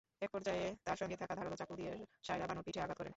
একপর্যায়ে তাঁর সঙ্গে থাকা ধারালো চাকু দিয়ে সায়রা বানুর পিঠে আঘাত করেন।